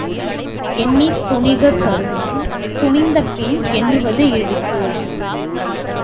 எண்ணித் துணிக கருமம், துணிந்தபின் எண்ணுவது இழுக்கு.